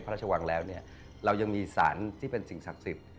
พระราชวังแล้วเนี่ยเรายังมีสารที่เป็นสิ่งศักดิ์สิทธิ์